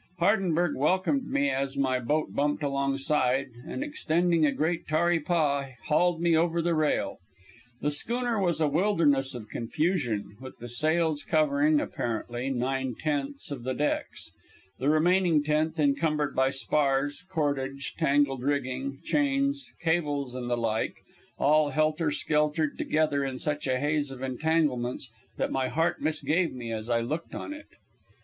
Hardenberg welcomed me as my boat bumped alongside, and extending a great tarry paw, hauled me over the rail. The schooner was a wilderness of confusion, with the sails covering, apparently, nine tenths of the decks, the remaining tenth encumbered by spars, cordage, tangled rigging, chains, cables and the like, all helter skeltered together in such a haze of entanglements that my heart misgave me as I looked on it.